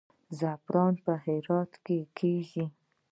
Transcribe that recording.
زعفران په هرات کې کیږي